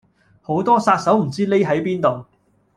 好多殺手唔知匿喺邊度